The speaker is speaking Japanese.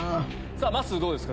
まっすーどうですか？